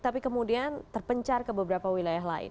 tapi kemudian terpencar ke beberapa wilayah lain